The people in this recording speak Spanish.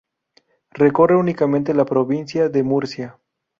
Recorre únicamente la provincia de Murcia.